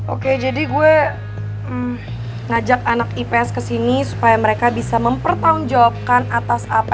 oke jadi gue ngajak anak ips kesini supaya mereka bisa mempertanggungjawabkan atas apa